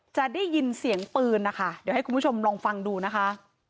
จะได้ยินเสียงปืนนะคะเดี๋ยวให้คุณผู้ชมลองฟังดูนะคะ